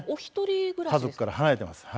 家族から離れています。